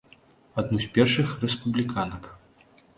Адну з першых рэспубліканак.